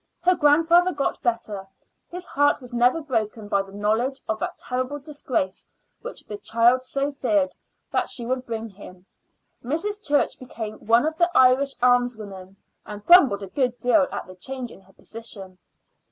Her grandfather got better; his heart was never broken by the knowledge of that terrible disgrace which the child so feared that she would bring him. Mrs. Church became one of the Irish alms women, and grumbled a good deal at the change in her position.